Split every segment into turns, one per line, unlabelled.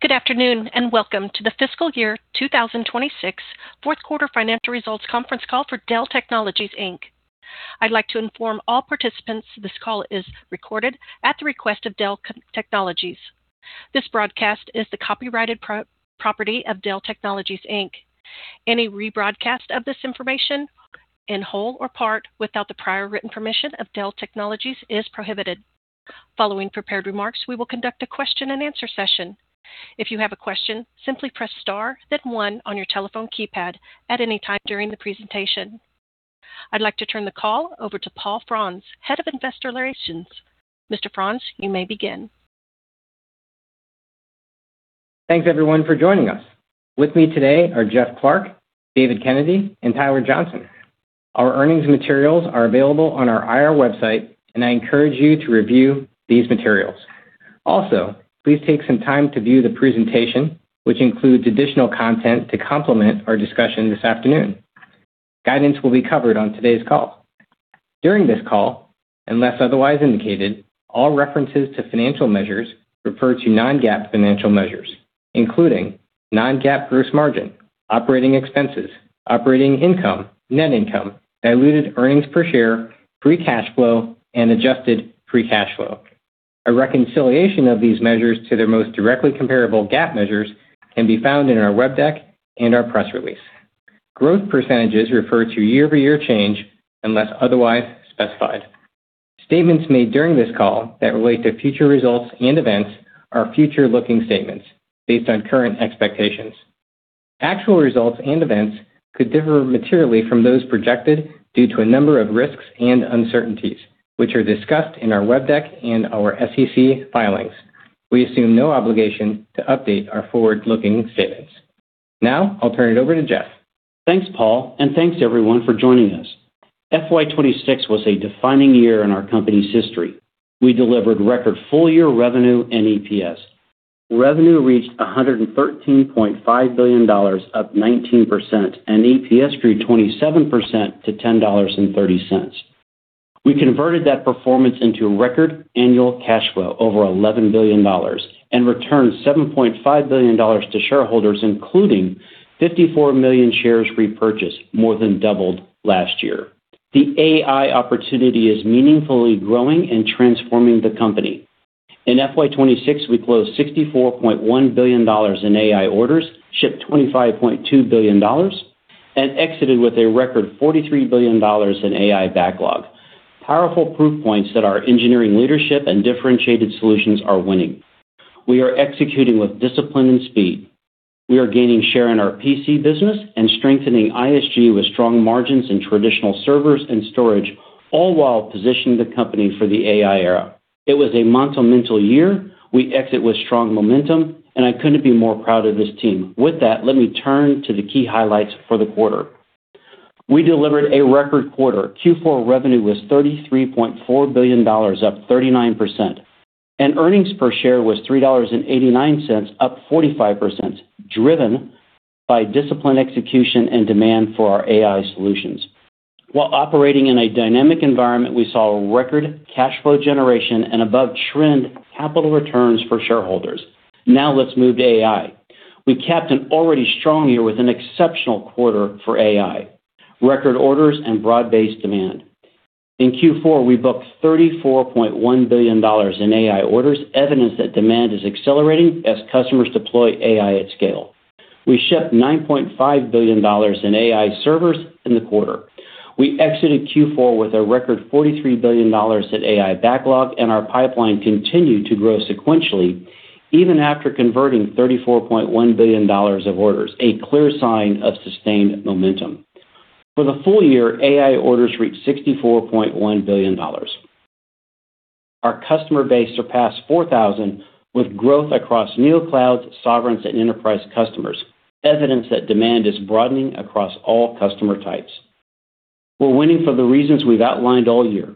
Good afternoon. Welcome to the fiscal year 2026 4th quarter financial results conference call for Dell Technologies Inc. I'd like to inform all participants this call is recorded at the request of Dell Technologies. This broadcast is the copyrighted property of Dell Technologies Inc. Any rebroadcast of this information in whole or part without the prior written permission of Dell Technologies is prohibited. Following prepared remarks, we will conduct a question-and-answer session. If you have a question, simply press star 1 on your telephone keypad at any time during the presentation. I'd like to turn the call over to Paul Frantz, Head of Investor Relations. Mr. Frantz, you may begin.
Thanks everyone for joining us. With me today are Jeff Clarke, David Kennedy, and Tyler Johnson. Our earnings and materials are available on our I.R. website. I encourage you to review these materials. Please take some time to view the presentation, which includes additional content to complement our discussion this afternoon. Guidance will be covered on today's call. During this call, unless otherwise indicated, all references to financial measures refer to non-GAAP financial measures, including non-GAAP gross margin, operating expenses, operating income, net income, diluted earnings per share, free cash flow, and adjusted free cash flow. A reconciliation of these measures to their most directly comparable GAAP measures can be found in our web deck and our press release. Growth percentages refer to year-over-year change unless otherwise specified. Statements made during this call that relate to future results and events are future-looking statements based on current expectations. Actual results and events could differ materially from those projected due to a number of risks and uncertainties, which are discussed in our web deck and our SEC filings. We assume no obligation to update our forward-looking statements. I'll turn it over to Jeff.
Thanks, Paul. Thanks everyone for joining us. FY 26 was a defining year in our company's history. We delivered record full-year revenue and EPS. Revenue reached $113.5 billion, up 19%, and EPS grew 27% to $10.30. We converted that performance into record annual cash flow over $11 billion and returned $7.5 billion to shareholders, including 54 million shares repurchased, more than doubled last year. The AI opportunity is meaningfully growing and transforming the company. In FY 26, we closed $64.1 billion in AI orders, shipped $25.2 billion, and exited with a record $43 billion in AI backlog. Powerful proof points that our engineering leadership and differentiated solutions are winning. We are executing with discipline and speed. We are gaining share in our PC business and strengthening ISG with strong margins in traditional servers and storage, all while positioning the company for the AI era. It was a monumental year. We exit with strong momentum. I couldn't be more proud of this team. With that, let me turn to the key highlights for the quarter. We delivered a record quarter. Q4 revenue was $33.4 billion, up 39%. Earnings per share was $3.89, up 45%, driven by disciplined execution and demand for our AI solutions. While operating in a dynamic environment, we saw a record cash flow generation and above-trend capital returns for shareholders. Now let's move to AI. We capped an already strong year with an exceptional quarter for AI, record orders, and broad-based demand. In Q4, we booked $34.1 billion in AI orders, evidence that demand is accelerating as customers deploy AI at scale. We shipped $9.5 billion in AI servers in the quarter. We exited Q4 with a record $43 billion in AI backlog, and our pipeline continued to grow sequentially even after converting $34.1 billion of orders, a clear sign of sustained momentum. For the full year, AI orders reached $64.1 billion. Our customer base surpassed 4,000, with growth across Neoclouds, Sovereigns, and Enterprise customers, evidence that demand is broadening across all customer types. We're winning for the reasons we've outlined all year.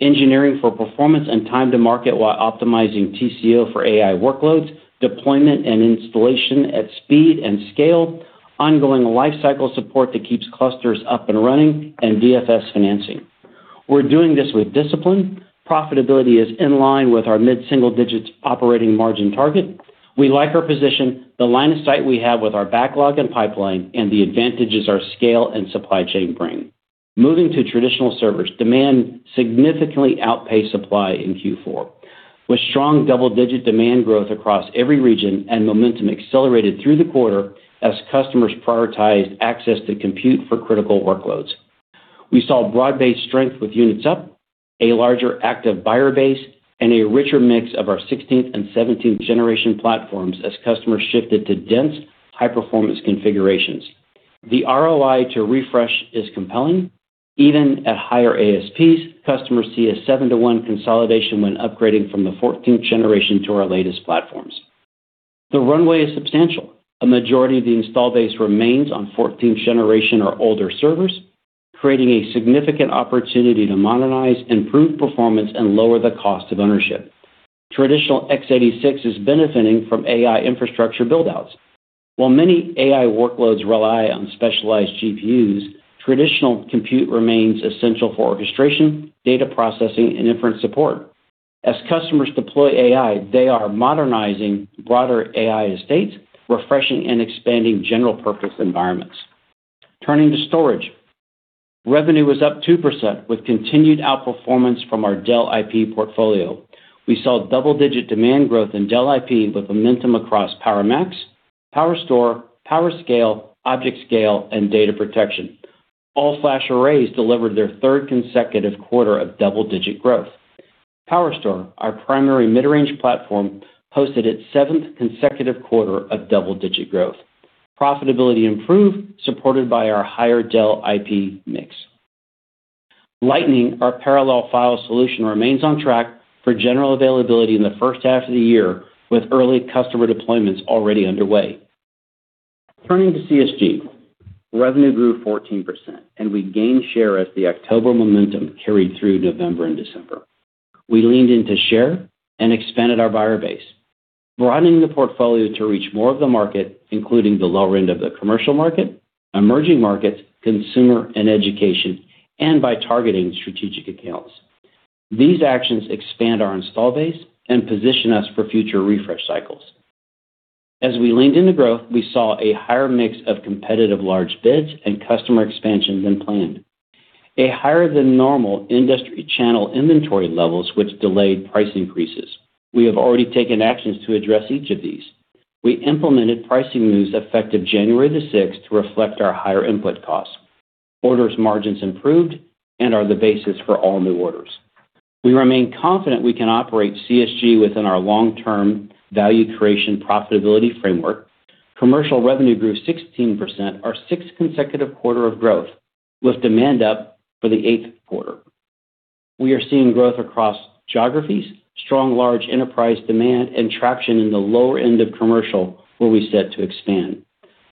Engineering for performance and time to market while optimizing TCO for AI workloads, deployment and installation at speed and scale, ongoing lifecycle support that keeps clusters up and running, and VFS financing. We're doing this with discipline. Profitability is in line with our mid-single-digits operating margin target. We like our position, the line of sight we have with our backlog and pipeline, and the advantages our scale and supply chain bring. Moving to traditional servers, demand significantly outpaced supply in Q4, with strong double-digit demand growth across every region and momentum accelerated through the quarter as customers prioritized access to compute for critical workloads. We saw broad-based strength with units up, a larger active buyer base, and a richer mix of our 16th- and 17th-generation platforms as customers shifted to dense, high-performance configurations. The ROI to refresh is compelling. Even at higher ASPs, customers see a 7-to-1 consolidation when upgrading from the 14th generation to our latest platforms. The runway is substantial. A majority of the install base remains on 14th generation or older servers, creating a significant opportunity to modernize, improve performance, and lower the cost of ownership. Traditional x86 is benefiting from AI infrastructure build-outs. While many AI workloads rely on specialized GPUs, traditional compute remains essential for orchestration, data processing, and inference support. As customers deploy AI, they are modernizing broader AI estates, refreshing and expanding general purpose environments. Turning to storage. Revenue was up 2% with continued outperformance from our Dell IP portfolio. We saw double-digit demand growth in Dell IP with momentum across PowerMax, PowerStore, PowerScale, ObjectScale, and data protection. all-flash arrays delivered their 3rd consecutive quarter of double-digit growth. PowerStore, our primary mid-range platform, posted its 7th consecutive quarter of double-digit growth. Profitability improved, supported by our higher Dell IP mix. Lightning, our parallel file solution, remains on track for general availability in the first half of the year, with early customer deployments already underway. Turning to CSG. Revenue grew 14%, we gained share as the October momentum carried through November and December. We leaned into share and expanded our buyer base, broadening the portfolio to reach more of the market, including the lower end of the commercial market, emerging markets, consumer and education, and by targeting strategic accounts. These actions expand our install base and position us for future refresh cycles. As we leaned into growth, we saw a higher mix of competitive large bids and customer expansion than planned. A higher than normal industry channel inventory levels which delayed price increases. We have already taken actions to address each of these. We implemented pricing moves effective January the sixth to reflect our higher input costs. Orders margins improved and are the basis for all new orders. We remain confident we can operate CSG within our long-term value creation profitability framework. Commercial revenue grew 16%, our sixth consecutive quarter of growth, with demand up for the eighth quarter. We are seeing growth across geographies, strong large enterprise demand, and traction in the lower end of commercial where we set to expand.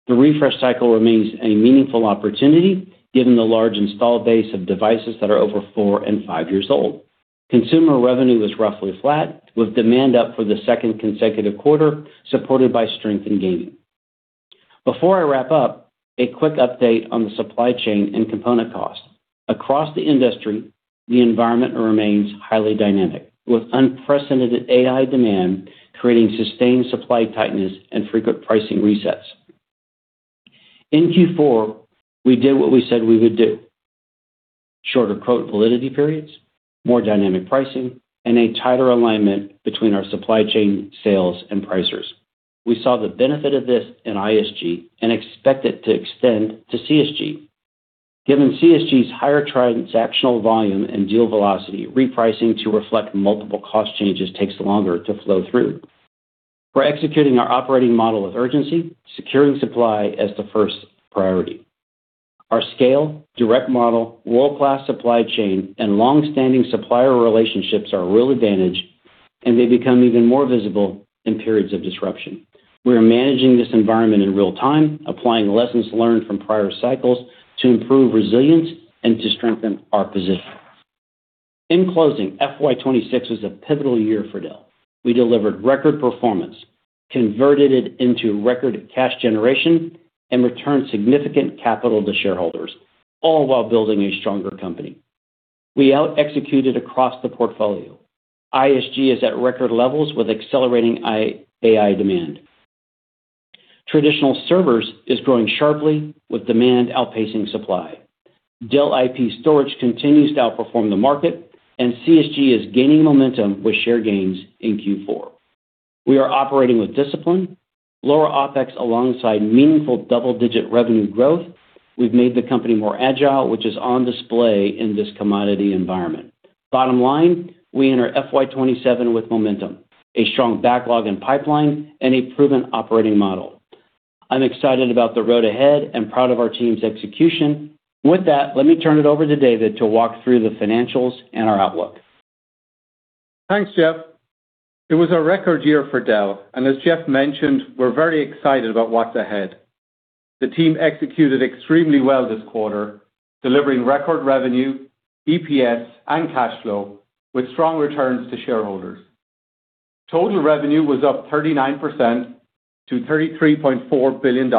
The refresh cycle remains a meaningful opportunity given the large install base of devices that are over four and five years old. Consumer revenue was roughly flat, with demand up for the second consecutive quarter, supported by strength in gaming. Before I wrap up, a quick update on the supply chain and component costs. Across the industry, the environment remains highly dynamic, with unprecedented AI demand creating sustained supply tightness and frequent pricing resets. In Q4, we did what we said we would do, shorter quote validity periods, more dynamic pricing, and a tighter alignment between our supply chain sales and pricing team. We saw the benefit of this in ISG and expect it to extend to CSG. Given CSG's higher transactional volume and deal velocity, repricing to reflect multiple cost changes takes longer to flow through. We're executing our operating model with urgency, securing supply as the first priority. Our scale, direct model, world-class supply chain, and long-standing supplier relationships are a real advantage, and they become even more visible in periods of disruption. We are managing this environment in real time, applying lessons learned from prior cycles to improve resilience and to strengthen our position. In closing, FY 2026 was a pivotal year for Dell. We delivered record performance, converted it into record cash generation, and returned significant capital to shareholders, all while building a stronger company. We out-executed across the portfolio. ISG is at record levels with accelerating AI demand. Traditional servers is growing sharply with demand outpacing supply. Dell IP storage continues to outperform the market, and CSG is gaining momentum with share gains in Q4. We are operating with discipline, lower OpEx alongside meaningful double-digit revenue growth. We've made the company more agile, which is on display in this commodity environment. Bottom line, we enter FY 27 with momentum, a strong backlog and pipeline, and a proven operating model. I'm excited about the road ahead and proud of our team's execution. With that, let me turn it over to David to walk through the financials and our outlook.
Thanks, Jeff. It was a record year for Dell, and as Jeff mentioned, we're very excited about what's ahead. The team executed extremely well this quarter, delivering record revenue, EPS, and cash flow with strong returns to shareholders. Total revenue was up 39% to $33.4 billion.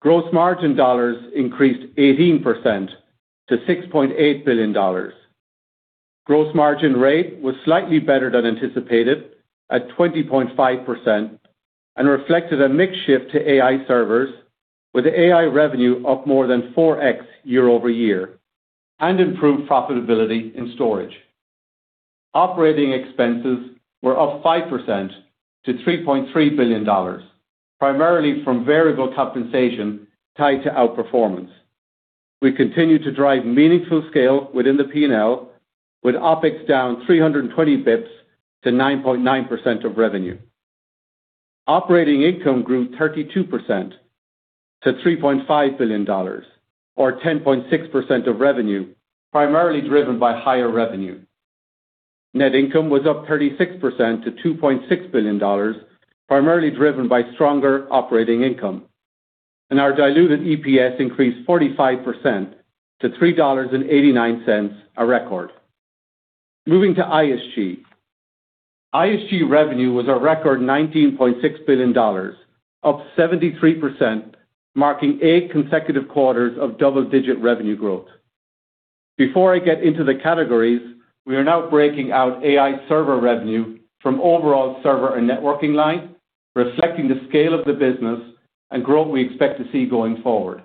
Gross margin dollars increased 18% to $6.8 billion. Gross margin rate was slightly better than anticipated at 20.5% and reflected a mix shift to AI servers, with AI revenue up more than 4x year-over-year and improved profitability in storage. Operating expenses were up 5% to $3.3 billion, primarily from variable compensation tied to outperformance. We continue to drive meaningful scale within the P&L, with OpEx down 320 basis points to 9.9% of revenue. Operating income grew 32% to $3.5 billion, or 10.6% of revenue, primarily driven by higher revenue. Net income was up 36% to $2.6 billion, primarily driven by stronger operating income. Our diluted EPS increased 45% to $3.89, a record. Moving to ISG. ISG revenue was a record $19.6 billion, up 73%, marking eight consecutive quarters of double-digit revenue growth. Before I get into the categories, we are now breaking out AI server revenue from overall server and networking line, reflecting the scale of the business and growth we expect to see going forward.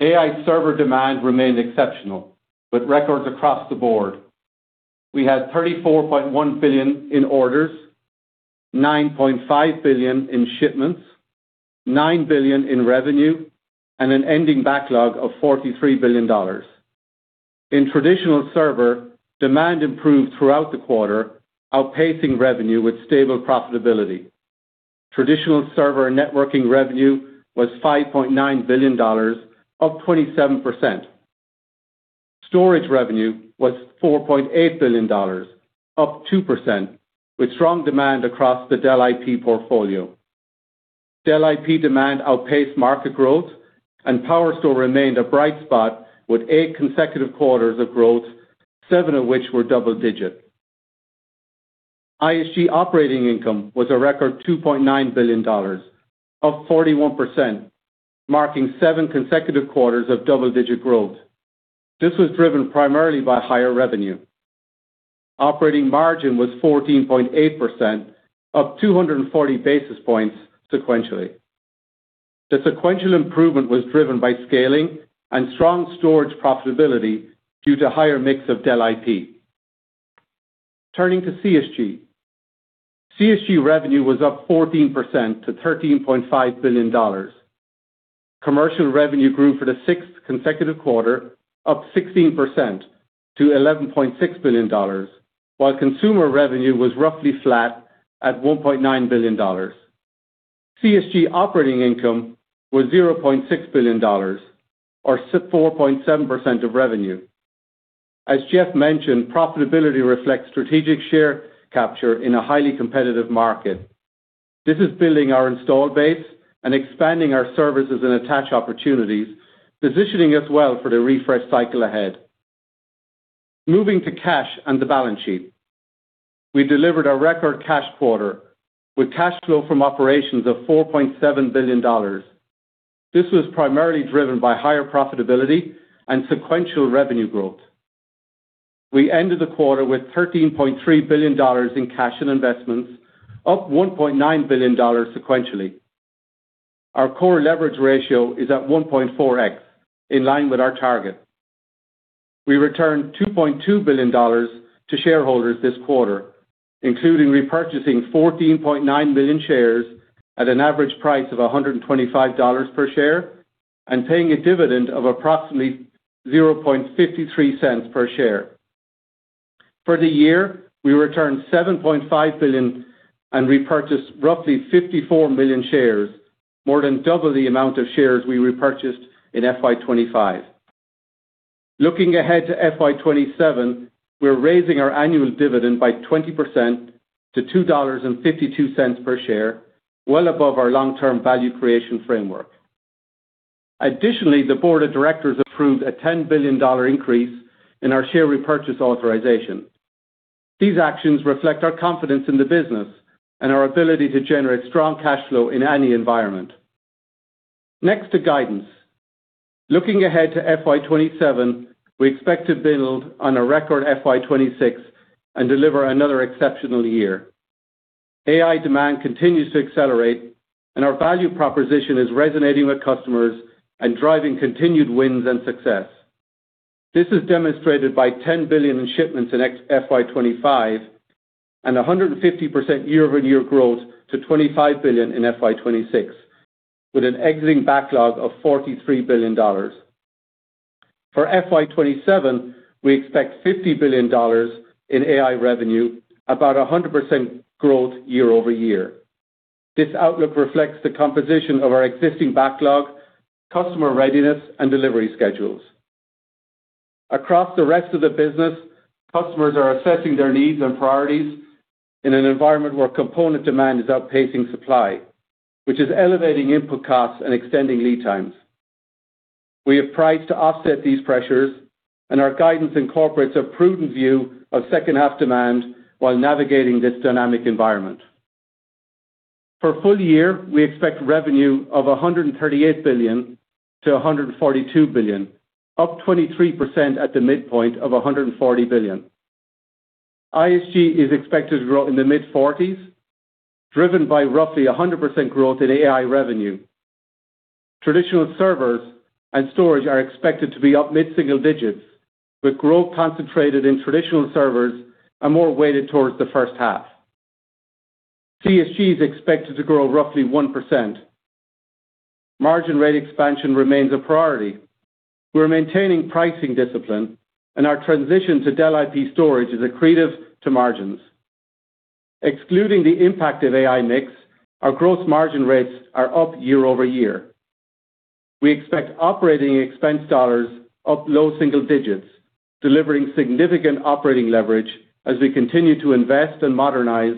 AI server demand remained exceptional, with records across the board. We had $34.1 billion in orders, $9.5 billion in shipments, $9 billion in revenue, and an ending backlog of $43 billion. In traditional server, demand improved throughout the quarter, outpacing revenue with stable profitability. Traditional server and networking revenue was $5.9 billion, up 27%. Storage revenue was $4.8 billion, up 2%, with strong demand across the Dell IP portfolio. Dell IP demand outpaced market growth, and PowerStore remained a bright spot with eight consecutive quarters of growth, seven of which were double digit. ISG operating income was a record $2.9 billion, up 41%, marking seven consecutive quarters of double-digit growth. This was driven primarily by higher revenue. Operating margin was 14.8%, up 240 basis points sequentially. The sequential improvement was driven by scaling and strong storage profitability due to higher mix of Dell IP. Turning to CSG. CSG revenue was up 14% to $13.5 billion. Commercial revenue grew for the sixth consecutive quarter, up 16% to $11.6 billion, while consumer revenue was roughly flat at $1.9 billion. CSG operating income was $0.6 billion, or 4.7% of revenue. As Jeff mentioned, profitability reflects strategic share capture in a highly competitive market. This is building our install base and expanding our services and attach opportunities, positioning us well for the refresh cycle ahead. Moving to cash and the balance sheet. We delivered a record cash quarter with cash flow from operations of $4.7 billion. This was primarily driven by higher profitability and sequential revenue growth. We ended the quarter with $13.3 billion in cash and investments, up $1.9 billion sequentially. Our core leverage ratio is at 1.4x, in line with our target. We returned $2.2 billion to shareholders this quarter, including repurchasing 14.9 million shares at an average price of $125 per share, and paying a dividend of approximately $0.53 per share. For the year, we returned $7.5 billion and repurchased roughly 54 million shares, more than double the amount of shares we repurchased in FY 2025. Looking ahead to FY 2027, we're raising our annual dividend by 20% to $2.52 per share, well above our long-term value creation framework. Additionally, the board of directors approved a $10 billion increase in our share repurchase authorization. These actions reflect our confidence in the business and our ability to generate strong cash flow in any environment. Next to guidance. Looking ahead to FY27, we expect to build on a record FY26 and deliver another exceptional year. AI demand continues to accelerate, our value proposition is resonating with customers and driving continued wins and success. This is demonstrated by $10 billion in shipments in FY25 and 150% year-over-year growth to $25 billion in FY26, with an exiting backlog of $43 billion. For FY27, we expect $50 billion in AI revenue, about 100% growth year-over-year. This outlook reflects the composition of our existing backlog, customer readiness, and delivery schedules. Across the rest of the business, customers are assessing their needs and priorities in an environment where component demand is outpacing supply, which is elevating input costs and extending lead times. We have priced to offset these pressures, and our guidance incorporates a prudent view of second half demand while navigating this dynamic environment. For full year, we expect revenue of $138 billion to $142 billion, up 23% at the midpoint of $140 billion. ISG is expected to grow in the mid-40s, driven by roughly 100% growth in AI revenue. Traditional servers and storage are expected to be up mid-single digits, with growth concentrated in traditional servers and more weighted towards the first half. CSG is expected to grow roughly 1%. Margin rate expansion remains a priority. We're maintaining pricing discipline, and our transition to Dell IP storage is accretive to margins. Excluding the impact of AI mix, our gross margin rates are up year-over-year. We expect operating expense dollars up low single digits, delivering significant operating leverage as we continue to invest and modernize,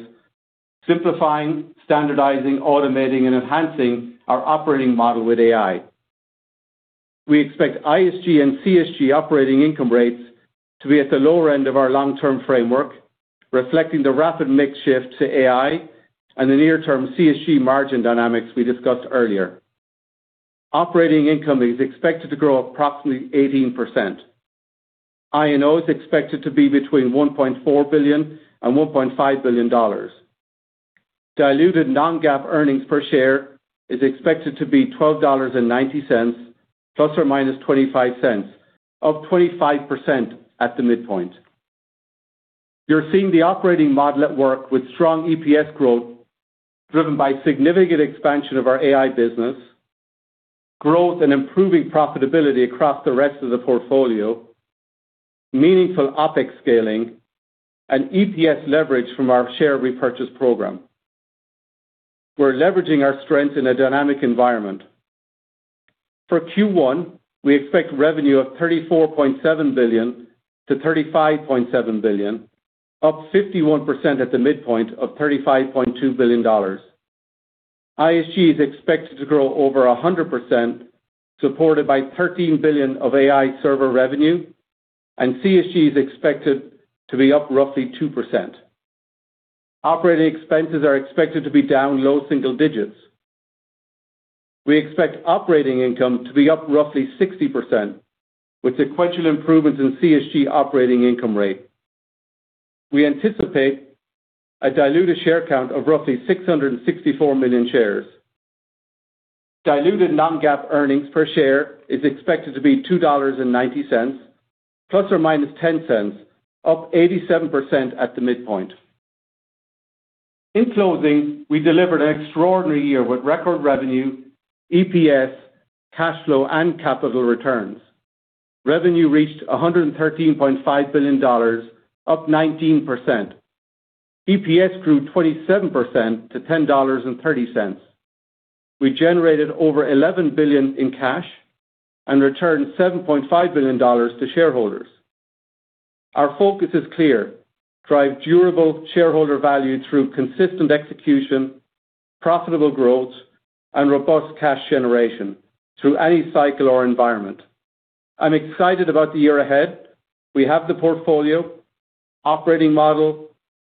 simplifying, standardizing, automating, and enhancing our operating model with AI. We expect ISG and CSG operating income rates to be at the lower end of our long-term framework, reflecting the rapid mix shift to AI and the near term CSG margin dynamics we discussed earlier. Operating income is expected to grow approximately 18%. I&O is expected to be between $1.4 billion and $1.5 billion. Diluted non-GAAP earnings per share is expected to be $12.90 plus or minus $0.25, up 25% at the midpoint. You're seeing the operating model at work with strong EPS growth driven by significant expansion of our AI business, growth and improving profitability across the rest of the portfolio, meaningful OpEx scaling and EPS leverage from our share repurchase program. We're leveraging our strength in a dynamic environment. For Q1, we expect revenue of $34.7 billion-$35.7 billion, up 51% at the midpoint of $35.2 billion. ISG is expected to grow over 100%, supported by $13 billion of AI server revenue. CSG is expected to be up roughly 2%. Operating expenses are expected to be down low single digits. We expect operating income to be up roughly 60%, with sequential improvements in CSG operating income rate. We anticipate a diluted share count of roughly 664 million shares. Diluted non-GAAP earnings per share is expected to be $2.90 ±$0.10, up 87% at the midpoint. In closing, we delivered an extraordinary year with record revenue, EPS, cash flow and capital returns. Revenue reached $113.5 billion, up 19%. EPS grew 27% to $10.30. We generated over $11 billion in cash and returned $7.5 billion to shareholders. Our focus is clear: drive durable shareholder value through consistent execution, profitable growth and robust cash generation through any cycle or environment. I'm excited about the year ahead. We have the portfolio, operating model,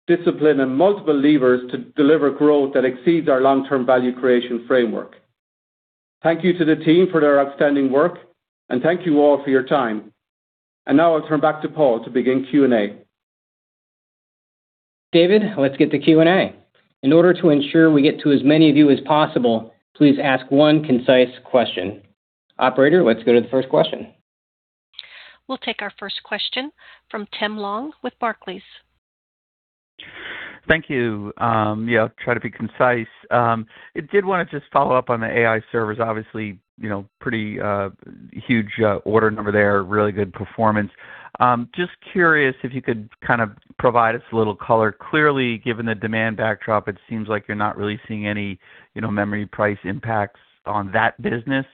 discipline and multiple levers to deliver growth that exceeds our long-term value creation framework. Thank you to the team for their outstanding work, thank you all for your time. Now I'll turn back to Paul to begin Q&A.
David, let's get to Q&A. In order to ensure we get to as many of you as possible, please ask one concise question. Operator, let's go to the first question.
We'll take our first question from Tim Long with Barclays.
Thank you. Yeah, I'll try to be concise. Did want to just follow up on the AI servers, obviously, you know, pretty huge order number there. Really good performance. Just curious if you could kind of provide us a little color. Clearly, given the demand backdrop, it seems like you're not really seeing any, you know, memory price impacts on that business.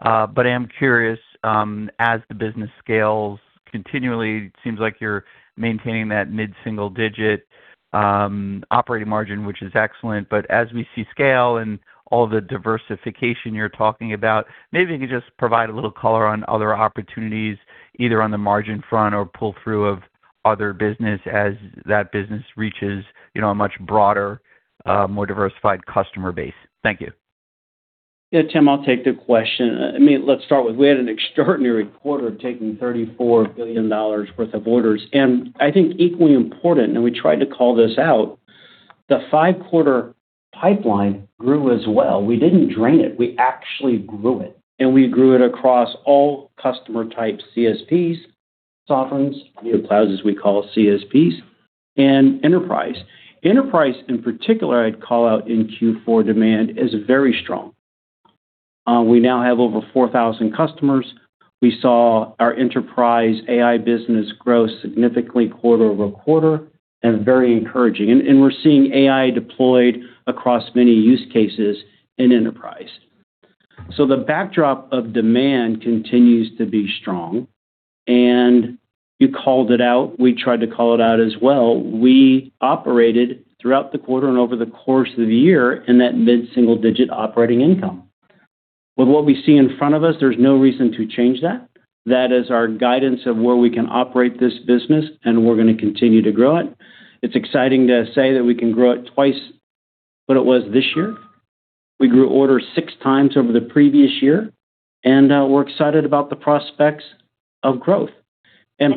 I am curious, as the business scales continually, it seems like you're maintaining that mid-single digit operating margin, which is excellent. As we see scale and all the diversification you're talking about, maybe you could just provide a little color on other opportunities, either on the margin front or pull through of other business as that business reaches a much broader, more diversified customer base. Thank you.
Yeah. Tim, I'll take the question. I mean, let's start with, we had an extraordinary quarter taking $34 billion worth of orders, and I think equally important, and we tried to call this out, the five-quarter pipeline grew as well. We didn't drain it. We actually grew it, and we grew it across all customer types, CSPs, sovereigns, the clouds, as we call CSPs, and enterprise. Enterprise in particular, I'd call out in Q4 demand is very strong. We now have over 4,000 customers. We saw our enterprise AI business grow significantly quarter-over-quarter and very encouraging. We're seeing AI deployed across many use cases in enterprise. The backdrop of demand continues to be strong. You called it out. We tried to call it out as well. We operated throughout the quarter and over the course of the year in that mid-single-digit operating income. With what we see in front of us, there's no reason to change that. That is our guidance of where we can operate this business, and we're going to continue to grow it. It's exciting to say that we can grow it two times what it was this year. We grew orders six times over the previous year. We're excited about the prospects of growth.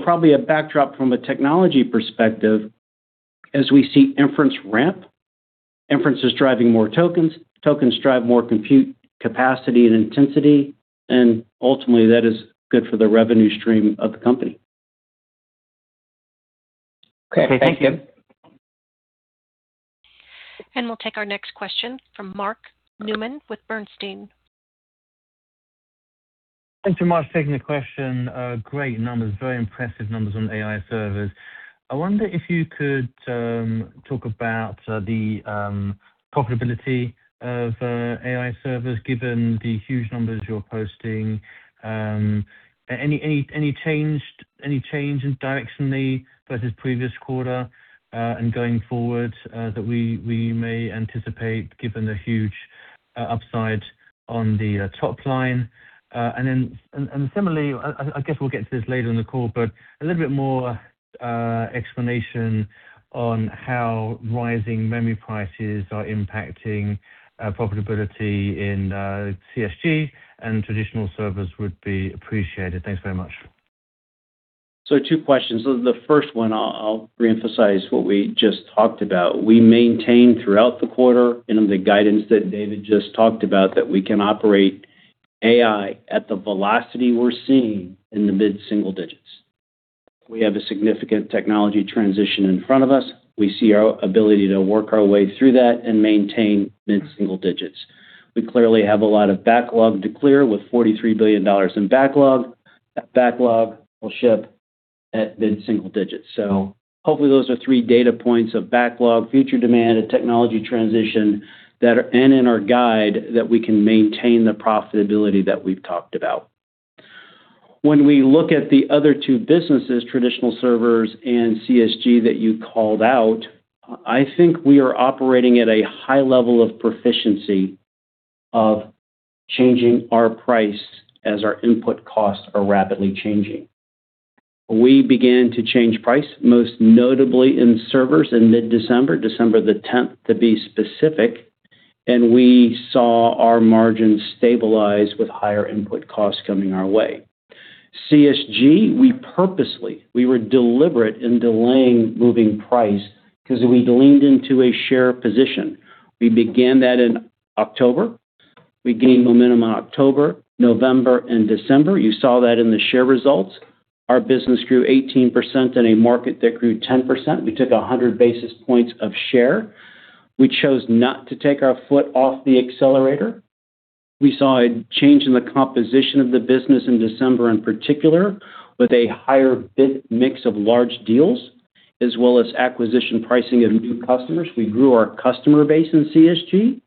Probably a backdrop from a technology perspective, as we see inference ramp, inference is driving more tokens drive more compute capacity and intensity, and ultimately that is good for the revenue stream of the company.
Okay. Thank you.
We'll take our next question from Mark Newman with Bernstein.
Thank you, Mark, for taking the question. Great numbers. Very impressive numbers on AI servers. I wonder if you could talk about the profitability of AI servers, given the huge numbers you're posting. Any change in directionally versus previous quarter and going forward that we may anticipate given the huge upside on the top line. Similarly, I guess we'll get to this later in the call, but a little bit more explanation on how rising memory prices are impacting profitability in CSG and traditional servers would be appreciated. Thanks very much.
Two questions. The first one, I'll reemphasize what we just talked about. We maintained throughout the quarter and in the guidance that David just talked about, that we can operate AI at the velocity we're seeing in the mid-single digits. We have a significant technology transition in front of us. We see our ability to work our way through that and maintain mid-single digits. We clearly have a lot of backlog to clear with $43 billion in backlog. That backlog will ship at mid-single digits. Hopefully, those are three data points of backlog, future demand, and technology transition that are in and our guide that we can maintain the profitability that we've talked about. When we look at the other two businesses, traditional servers and CSG that you called out, I think we are operating at a high level of proficiency of changing our price as our input costs are rapidly changing. We began to change price, most notably in servers in mid-December, December the 10th, to be specific, and we saw our margins stabilize with higher input costs coming our way. CSG, we purposely, we were deliberate in delaying moving price because we leaned into a share position. We began that in October. We gained momentum in October, November and December. You saw that in the share results. Our business grew 18% in a market that grew 10%. We took 100 basis points of share. We chose not to take our foot off the accelerator. We saw a change in the composition of the business in December, in particular, with a higher bit mix of large deals, as well as acquisition pricing of new customers. We grew our customer base in CSG.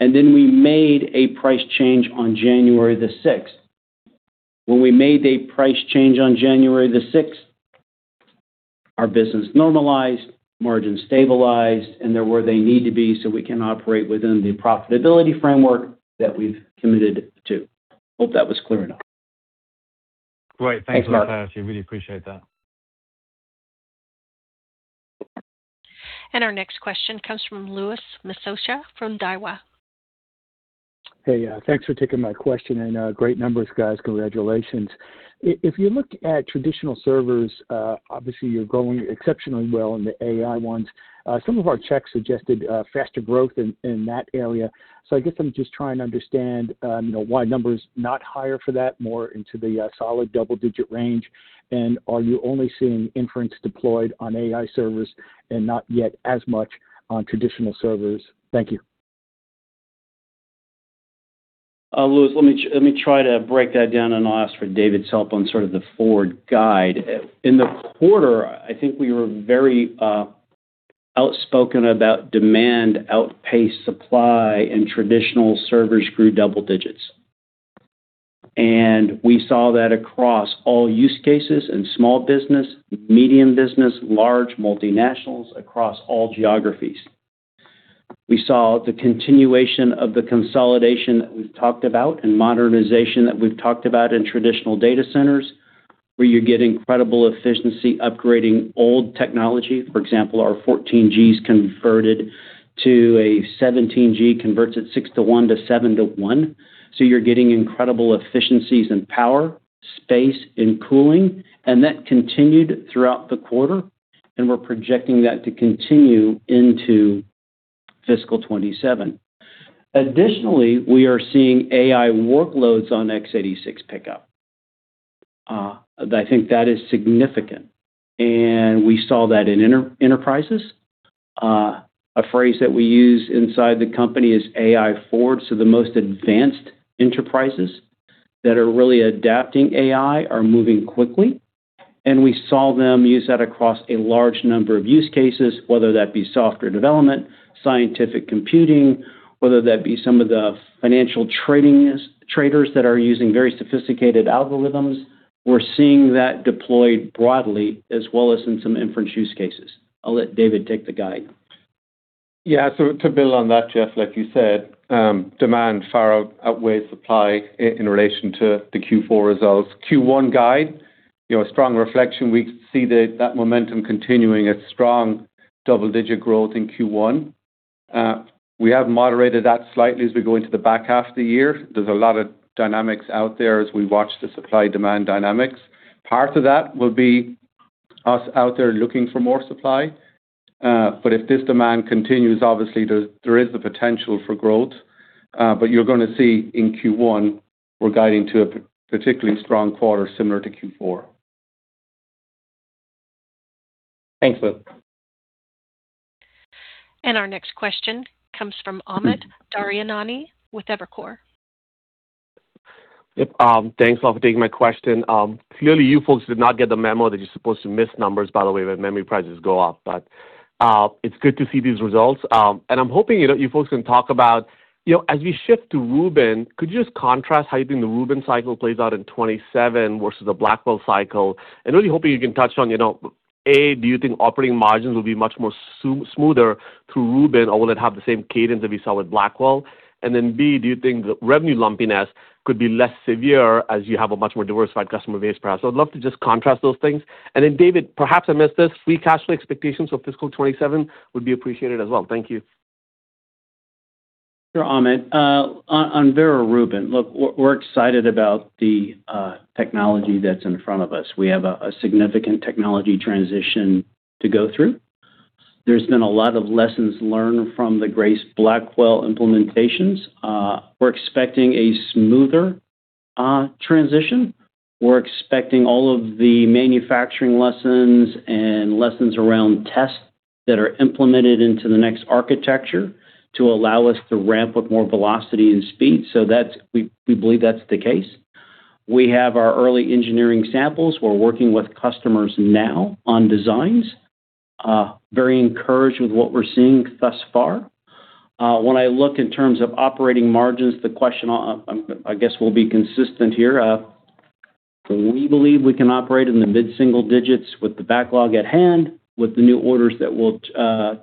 Then we made a price change on January the sixth. When we made a price change on January the sixth, our business normalized, margins stabilized, and they're where they need to be so we can operate within the profitability framework that we've committed to. Hope that was clear enough.
Great. Thanks for the clarity.
Thanks, Mark.
Really appreciate that.
Our next question comes from Louis Miscioscia from Daiwa.
Hey. Thanks for taking my question, and great numbers, guys. Congratulations. If you look at traditional servers, obviously you're growing exceptionally well in the AI ones. Some of our checks suggested faster growth in that area. I guess I'm just trying to understand why numbers not higher for that, more into the solid double-digit range. Are you only seeing inference deployed on AI servers and not yet as much on traditional servers? Thank you.
Lewis, let me, let me try to break that down. I'll ask for David's help on sort of the forward guide. In the quarter, I think we were very outspoken about demand outpaced supply. Traditional servers grew double-digits. We saw that across all use cases in small business, medium business, large multinationals across all geographies. We saw the continuation of the consolidation that we've talked about and modernization that we've talked about in traditional data centers, where you get incredible efficiency upgrading old technology. For example, our 14G converted to a 17G converts at 6:1-7:1. You're getting incredible efficiencies in power, space and cooling. That continued throughout the quarter, and we're projecting that to continue into fiscal 27. Additionally, we are seeing AI workloads on x86 pickup. I think that is significant, we saw that in enterprises. A phrase that we use inside the company is AI forward. The most advanced enterprises that are really adapting AI are moving quickly, and we saw them use that across a large number of use cases, whether that be software development, scientific computing, whether that be some of the financial traders that are using very sophisticated algorithms. We're seeing that deployed broadly as well as in some inference use cases. I'll let David take the guide.
To build on that, Jeff, like you said, demand far outweighs supply in relation to the Q4 results. Q1 guide, you know, a strong reflection. We see that momentum continuing, a strong double-digit growth in Q1. We have moderated that slightly as we go into the back half of the year. There's a lot of dynamics out there as we watch the supply-demand dynamics. Part of that will be us out there looking for more supply. If this demand continues, obviously there is the potential for growth. You're gonna see in Q1, we're guiding to a particularly strong quarter similar to Q4.
Thanks, Lewis.
Our next question comes from Amit Daryanani with Evercore.
Yep. Thanks a lot for taking my question. Clearly you folks did not get the memo that you're supposed to miss numbers by the way that memory prices go up. It's good to see these results. I'm hoping, you folks can talk about, you know, as we shift to Rubin, could you just contrast how you think the Rubin cycle plays out in 2027 versus the Blackwell cycle? Really hoping you can touch on. A, do you think operating margins will be much smoother through Rubin, or will it have the same cadence that we saw with Blackwell? B, do you think the revenue lumpiness could be less severe as you have a much more diversified customer base perhaps? I'd love to just contrast those things. David, perhaps I missed this, free cash flow expectations for fiscal 2027 would be appreciated as well. Thank you.
Sure, Amit, on Vera Rubin, look, we're excited about the technology that's in front of us. We have a significant technology transition to go through. There's been a lot of lessons learned from the Grace Blackwell implementations. We're expecting a smoother transition. We're expecting all of the manufacturing lessons and lessons around tests that are implemented into the next architecture to allow us to ramp with more velocity and speed. We believe that's the case. We have our early engineering samples. We're working with customers now on designs. Very encouraged with what we're seeing thus far. When I look in terms of operating margins, the question, I guess will be consistent here. We believe we can operate in the mid-single digits with the backlog at hand, with the new orders that we'll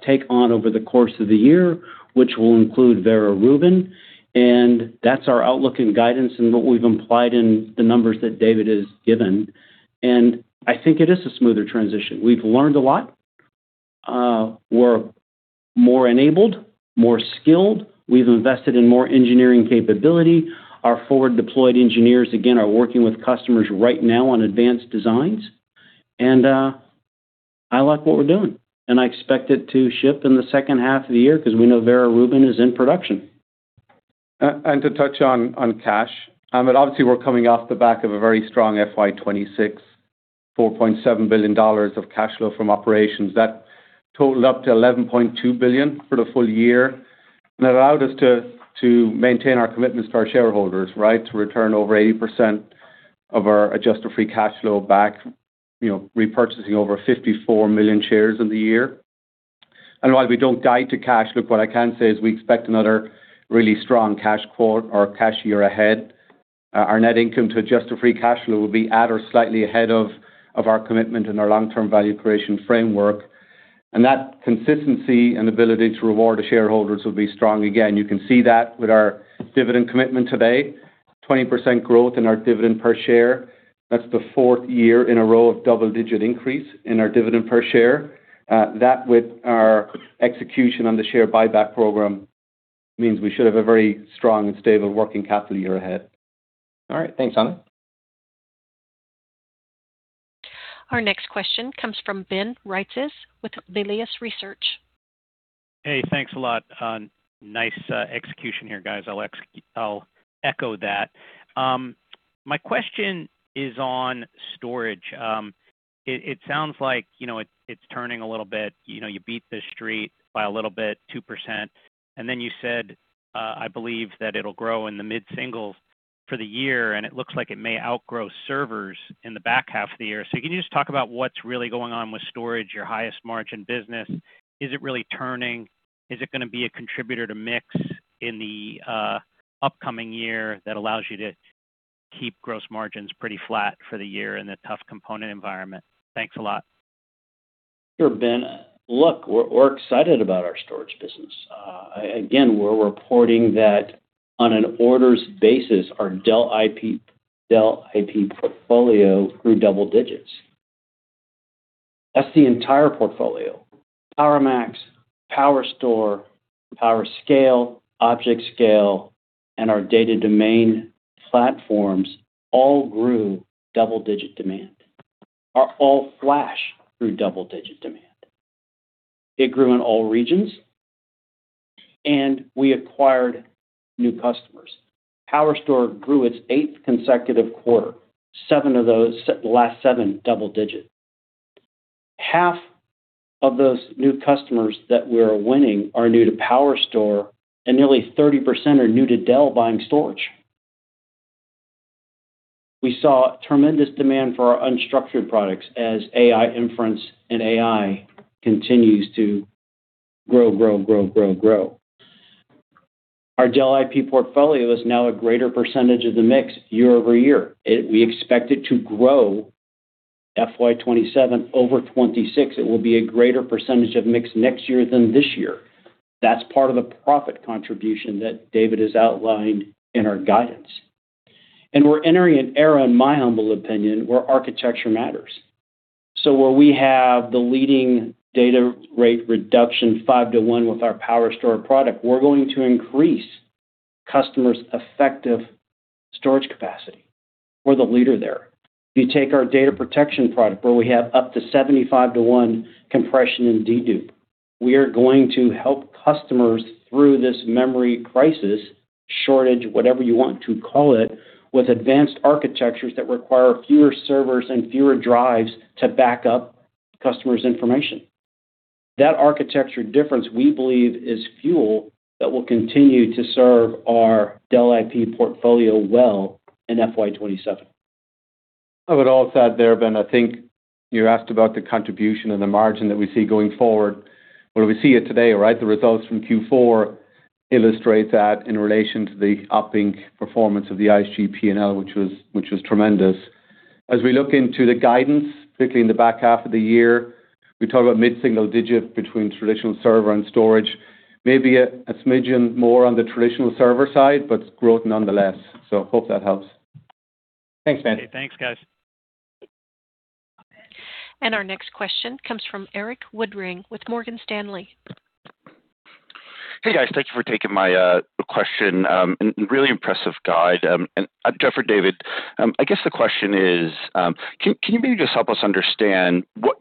take on over the course of the year, which will include Vera Rubin, and that's our outlook and guidance and what we've implied in the numbers that David has given. I think it is a smoother transition. We've learned a lot. We're more enabled, more skilled. We've invested in more engineering capability. Our forward-deployed engineers, again, are working with customers right now on advanced designs. I like what we're doing, and I expect it to ship in the second half of the year because we know Vera Rubin is in production.
To touch on cash, Amit, obviously, we're coming off the back of a very strong FY26, $4.7 billion of cash flow from operations. That totaled up to $11.2 billion for the full year. It allowed us to maintain our commitments to our shareholders. To return over 80% of our adjusted free cash flow back, you know, repurchasing over 54 million shares in the year. While we don't guide to cash, look, what I can say is we expect another really strong cash flow or cash year ahead. Our net income to adjusted free cash flow will be at or slightly ahead of our commitment and our long-term value creation framework. That consistency and ability to reward the shareholders will be strong again. You can see that with our dividend commitment today, 20% growth in our dividend per share. That's the 4th year in a row of double-digit increase in our dividend per share. That, with our execution on the share buyback program, means we should have a very strong and stable working capital year ahead.
All right, thanks.
Our next question comes from Ben Reitzes with Melius Research.
Hey, thanks a lot. Nice execution here, guys. I'll echo that. My question is on storage. It sounds like, you know, it's turning a little bit. You beat the street by a little bit, 2%, you said, "I believe that it'll grow in the mid-single for the year," it looks like it may outgrow servers in the back half of the year. Can you just talk about what's really going on with storage, your highest margin business? Is it really turning? Is it gonna be a contributor to mix in the upcoming year that allows you to keep gross margins pretty flat for the year in a tough component environment? Thanks a lot.
Sure, Ben. We're excited about our storage business. We're reporting that on an orders basis, our Dell IP portfolio grew double digits. That's the entire portfolio. PowerMax, PowerStore, PowerScale, ObjectScale, and our Data Domain platforms all grew double-digit demand. Our all flash grew double-digit demand. It grew in all regions, we acquired new customers. PowerStore grew its eighth consecutive quarter, seven of those, the last seven, double digits. Half of those new customers that we're winning are new to PowerStore, nearly 30% are new to Dell buying storage. We saw tremendous demand for our unstructured products as AI inference and AI continues to grow. Our Dell IP portfolio is now a greater percentage of the mix year-over-year. We expect it to grow FY 27 over 26. It will be a greater percentage of mix next year than this year. That's part of the profit contribution that David has outlined in our guidance. We're entering an era, in my humble opinion, where architecture matters. Where we have the leading data rate reduction, 5-1, with our PowerStore product, we're going to increase customers' effective storage capacity. We're the leader there. If you take our data protection product, where we have up to 75-1 compression and dedupe, we are going to help customers through this memory crisis, shortage, whatever you want to call it, with advanced architectures that require fewer servers and fewer drives to back up customers' information. That architecture difference, we believe, is fuel that will continue to serve our Dell IP portfolio well in FY 2027.
I would also add there, Ben, I think you asked about the contribution and the margin that we see going forward. Well, we see it today, right? The results from Q4 illustrate that in relation to the up-inc performance of the ISG P&L, which was tremendous. We look into the guidance, particularly in the back half of the year, we talk about mid-single digit between traditional server and storage. Maybe a smidgen more on the traditional server side, but growth nonetheless. Hope that helps.
Thanks, man.
Thanks, guys.
Our next question comes from Erik Woodring with Morgan Stanley.
Hey, guys. Thank you for taking my question. Really impressive guide. Jeff or David, I guess the question is, can you maybe just help us understand what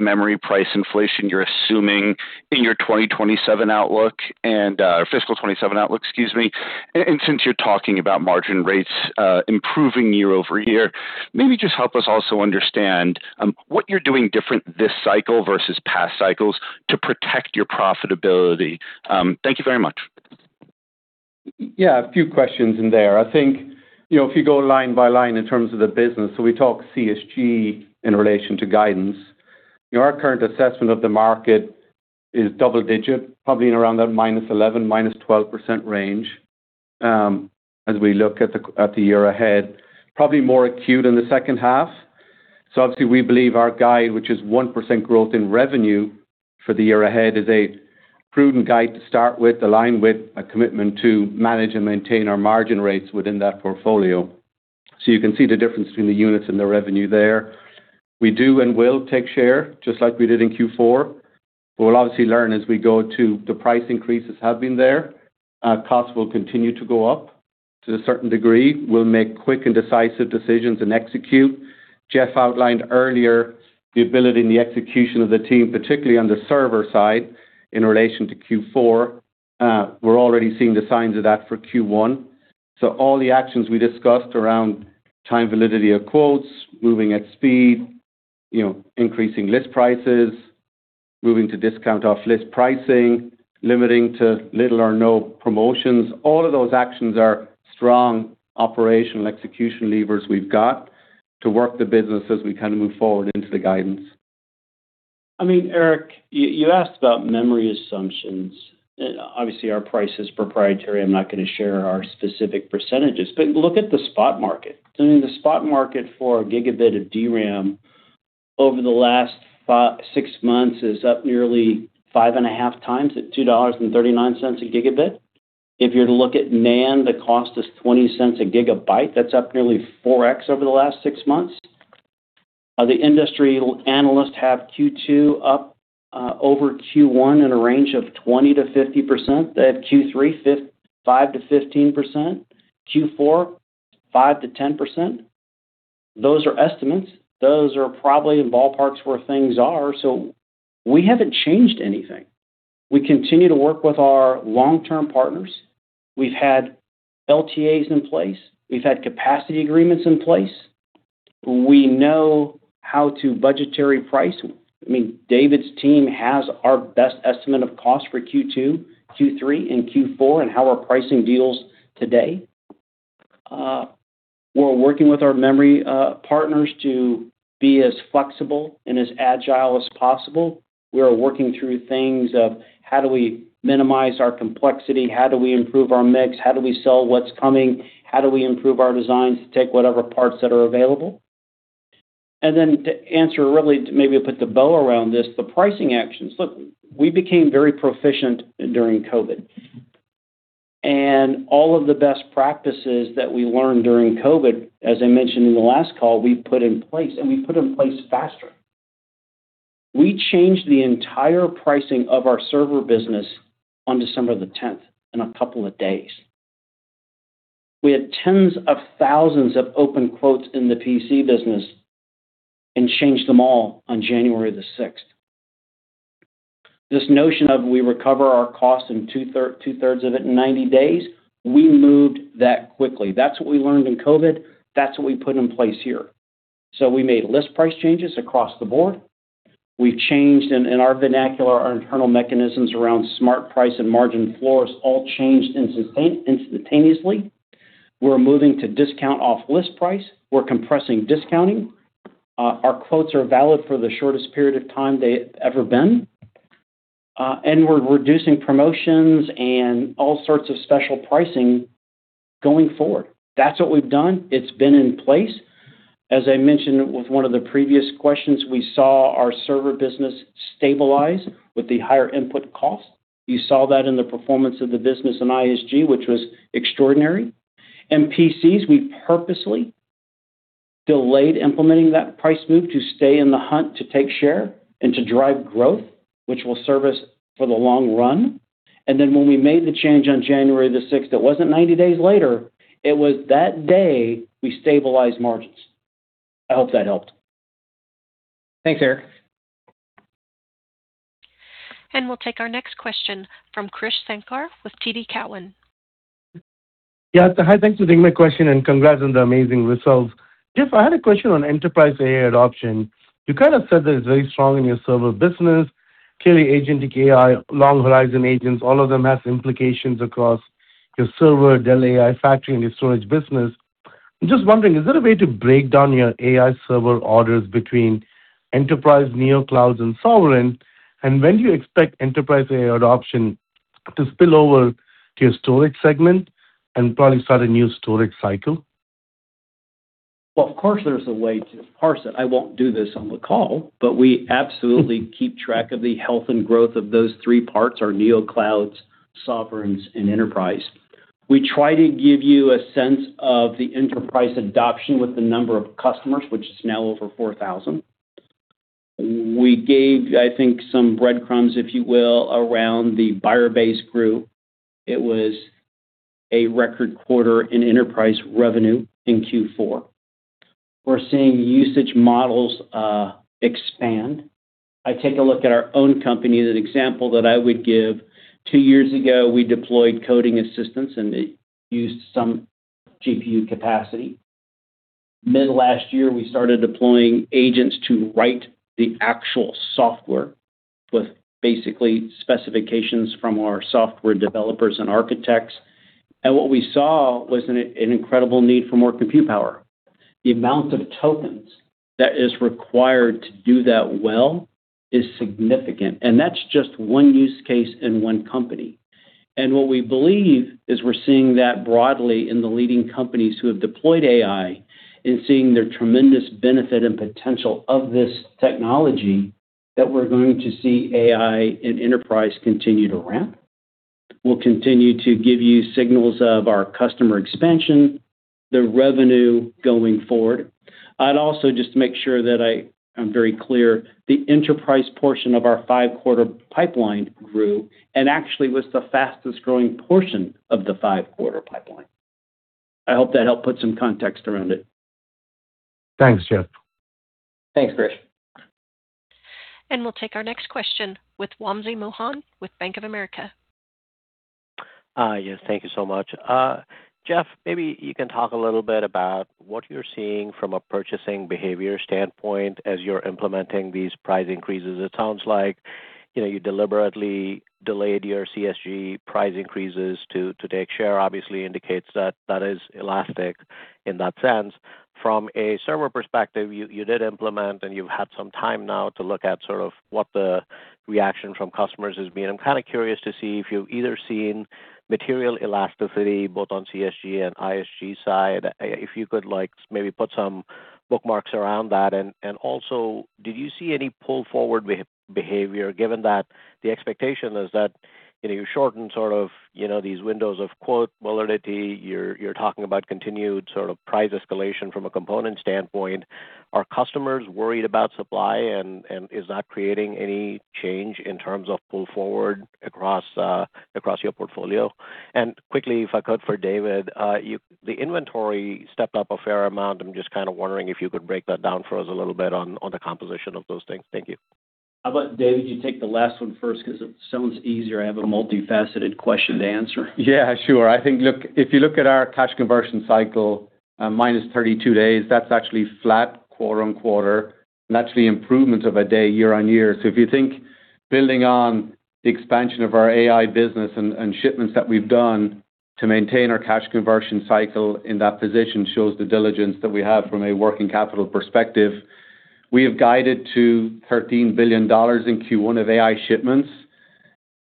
memory price inflation you're assuming in your 2027 outlook fiscal 2027 outlook, excuse me. Since you're talking about margin rates improving year-over-year, maybe just help us also understand what you're doing different this cycle versus past cycles to protect your profitability. Thank you very much.
Yeah, a few questions in there. I think, if you go line by line in terms of the business, we talk CSG in relation to guidance. Our current assessment of the market is double digit, probably in around that -11%, -12% range as we look at the year ahead. Probably more acute in the second half. Obviously, we believe our guide, which is 1% growth in revenue for the year ahead, is a prudent guide to start with, aligned with a commitment to manage and maintain our margin rates within that portfolio. You can see the difference between the units and the revenue there. We do and will take share, just like we did in Q4. We'll obviously learn as we go to the price increases have been there. Costs will continue to go up to a certain degree. We'll make quick and decisive decisions and execute. Jeff outlined earlier the ability and the execution of the team, particularly on the server side in relation to Q4. We're already seeing the signs of that for Q1. All the actions we discussed around time validity of quotes, moving at speed, increasing list prices, moving to discount off list pricing, limiting to little or no promotions, all of those actions are strong operational execution levers we've got to work the business as we move forward into the guidance.
I mean, Erik, you asked about memory assumptions. Obviously, our price is proprietary. I'm not gonna share our specific percentages. Look at the spot market. I mean, the spot market for a gigabit of DRAM over the last 5, 6 months is up nearly 5.5 times at $2.39 a gigabit. If you're to look at NAND, the cost is $0.20 a gigabyte. That's up nearly 4x over the last 6 months. The industry analysts have Q2 up over Q1 in a range of 20%-50%. They have Q3, 5%-15%. Q4, 5%-10%. Those are estimates. Those are probably in ballparks where things are. We haven't changed anything. We continue to work with our long-term partners. We've had LTAs in place. We've had capacity agreements in place. We know how to budgetary price. I mean, David's team has our best estimate of cost for Q2, Q3, and Q4 and how we're pricing deals today. We're working with our memory partners to be as flexible and as agile as possible. We are working through things of how do we minimize our complexity? How do we improve our mix? How do we sell what's coming? How do we improve our designs to take whatever parts that are available? To answer really, to maybe put the bow around this, the pricing actions. Look, we became very proficient during COVID. All of the best practices that we learned during COVID, as I mentioned in the last call, we put in place, and we put in place faster. We changed the entire pricing of our server business on December the tenth in a couple of days. We had tens of thousands of open quotes in the PC business and changed them all on January the sixth. This notion of we recover our cost in two-thirds of it in 90 days, we moved that quickly. That's what we learned in COVID. That's what we put in place here. We made list price changes across the board. We've changed in our vernacular, our internal mechanisms around smart price and margin floors all changed instantaneously. We're moving to discount off list price. We're compressing discounting. Our quotes are valid for the shortest period of time they've ever been. We're reducing promotions and all sorts of special pricing going forward. That's what we've done. It's been in place. As I mentioned with one of the previous questions, we saw our server business stabilize with the higher input cost. You saw that in the performance of the business in ISG, which was extraordinary. In PCs, we purposely delayed implementing that price move to stay in the hunt to take share and to drive growth, which will serve us for the long run. When we made the change on January the 6th, it wasn't 90 days later. It was that day we stabilized margins. I hope that helped. Thanks, Erik.
We'll take our next question from Krish Sankar with TD Cowen.
Yeah. Hi, thanks for taking my question, and congrats on the amazing results. Jeff, I had a question on enterprise AI adoption. You said that it's very strong in your server business. Clearly, agentic AI, long horizon agents, all of them have implications across your server, Dell AI Factory, and your storage business. I'm just wondering, is there a way to break down your AI server orders between enterprise, Neoclouds, and Sovereign? When do you expect enterprise AI adoption to spill over to your storage segment and probably start a new storage cycle?
Well, of course, there's a way to parse it. I won't do this on the call, but we absolutely keep track of the health and growth of those three parts, our NeoClouds, Sovereigns, and enterprise. We try to give you a sense of the enterprise adoption with the number of customers, which is now over 4,000. We gave, I think, some breadcrumbs, if you will, around the buyer base group. It was a record quarter in enterprise revenue in Q4. We're seeing usage models expand. I take a look at our own company, that example that I would give. Two years ago, we deployed coding assistants, and it used some GPU capacity. Mid-last year, we started deploying agents to write the actual software with basically specifications from our software developers and architects. What we saw was an incredible need for more compute power. The amount of tokens that is required to do that well is significant. That's just one use case in one company. What we believe is we're seeing that broadly in the leading companies who have deployed AI and seeing their tremendous benefit and potential of this technology, that we're going to see AI and enterprise continue to ramp. We'll continue to give you signals of our customer expansion, the revenue going forward. I'd also just make sure that I'm very clear, the enterprise portion of our five-quarter pipeline grew and actually was the fastest-growing portion of the five-quarter pipeline. I hope that helped put some context around it.
Thanks, Jeff.
Thanks, Krish.
We'll take our next question with Wamsi Mohan with Bank of America.
Yes, thank you so much. Jeff, maybe you can talk a little bit about what you're seeing from a purchasing behavior standpoint as you're implementing these price increases. It sounds like, you know, you deliberately delayed your CSG price increases to take share. Obviously, indicates that that is elastic in that sense. From a server perspective, you did implement, and you've had some time now to look at sort of what the reaction from customers has been. I'm kind of curious to see if you've either seen material elasticity, both on CSG and ISG side. If you could, like, maybe put some bookmarks around that? Also, did you see any pull forward behavior, given that the expectation is that, you know, you shorten sort of, you know, these windows of quote validity, you're talking about continued sort of price escalation from a component standpoint? Are customers worried about supply, and is that creating any change in terms of pull forward across your portfolio? Quickly, if I could, for David, the inventory stepped up a fair amount. I'm just wondering if you could break that down for us a little bit on the composition of those things. Thank you.
How about, David, you take the last one first because it sounds easier. I have a multifaceted question to answer.
Yeah, sure. I think, look, if you look at our cash conversion cycle, minus 32 days, that's actually flat quarter-on-quarter, and that's the improvement of a day year-on-year. If you think building on the expansion of our AI business and shipments that we've done to maintain our cash conversion cycle in that position shows the diligence that we have from a working capital perspective. We have guided to $13 billion in Q1 of AI shipments.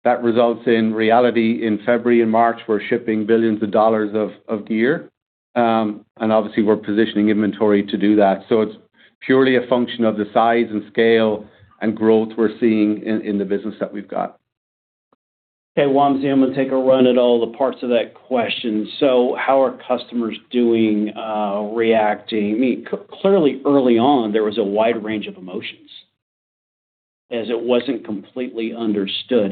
That results in reality in February and March, we're shipping billions of dollars of gear. Obviously, we're positioning inventory to do that. It's purely a function of the size and scale and growth we're seeing in the business that we've got.
Okay, Wamsi, I'm going to take a run at all the parts of that question. How are customers doing, reacting? I mean, clearly, early on, there was a wide range of emotions, as it wasn't completely understood.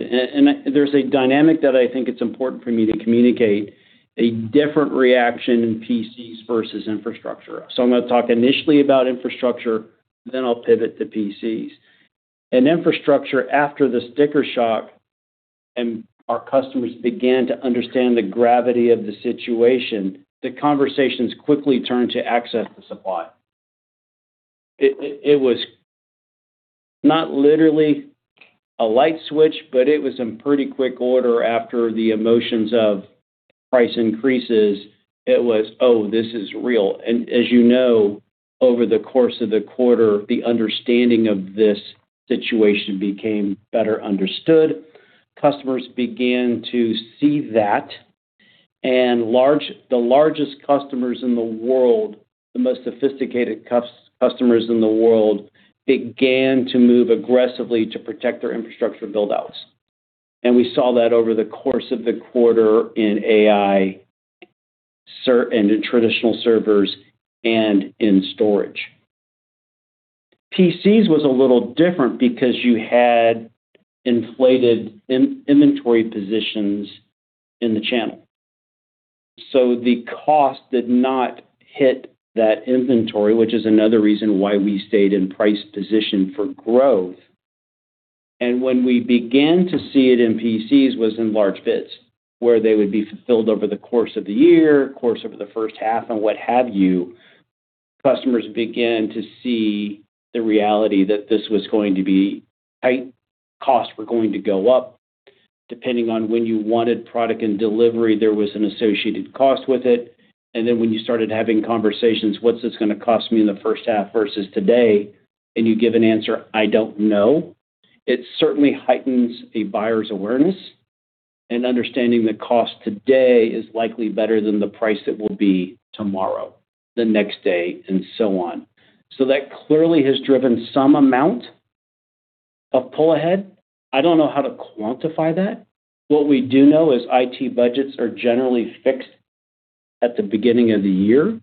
There's a dynamic that I think it's important for me to communicate, a different reaction in PCs versus infrastructure. I'm going to talk initially about infrastructure, then I'll pivot to PCs. In infrastructure, after the sticker shock and our customers began to understand the gravity of the situation, the conversations quickly turned to access to supply. It was not literally a light switch, but it was in pretty quick order after the emotions of price increases. It was, "Oh, this is real." As you know, over the course of the quarter, the understanding of this situation became better understood. Customers began to see that, the largest customers in the world, the most sophisticated customers in the world, began to move aggressively to protect their infrastructure build-outs. We saw that over the course of the quarter in AI, and in traditional servers and in storage. PCs was a little different because you had inflated in-inventory positions in the channel, so the cost did not hit that inventory, which is another reason why we stayed in price position for growth. When we began to see it in PCs was in large bits, where they would be fulfilled over the course of the year, course over the first half, and what have you. Customers began to see the reality that this was going to be costs were going to go up. Depending on when you wanted product and delivery, there was an associated cost with it. When you started having conversations, what's this gonna cost me in the first half versus today? You give an answer, "I don't know," it certainly heightens a buyer's awareness, and understanding the cost today is likely better than the price it will be tomorrow, the next day, and so on. That clearly has driven some amount of pull-ahead. I don't know how to quantify that. What we do know is IT budgets are generally fixed at the beginning of the year,